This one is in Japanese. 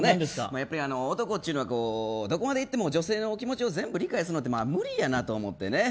やっぱり、男っちゅうのはどこまで行っても女性の気持ちを全部理解するのって無理やなって思ってね。